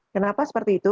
kenapa seperti itu